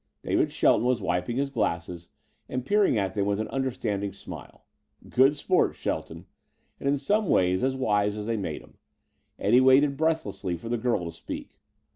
David Shelton was wiping his glasses and peering at them with an understanding smile. Good sport, Shelton and in some ways as wise as they made them. Eddie waited breathlessly for the girl to speak.